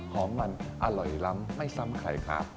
หอมมันอร่อยล้ำไม่ซ้ำใครครับ